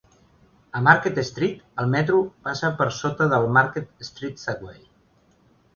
A Market Street, el metro passa per sota de Market Street Subway.